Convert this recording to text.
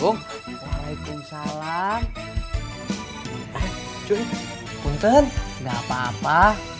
nggak ada nggak ada siapa